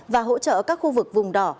và hỗ trợ các khu vực vùng đỏ